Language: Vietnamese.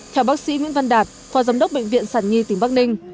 theo bác sĩ nguyễn văn đạt phò giám đốc bệnh viện sàn nhi tỉnh bắc ninh